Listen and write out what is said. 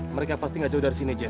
mereka pasti gak jauh dari sini aja